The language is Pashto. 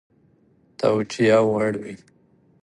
توجیه وړ وي.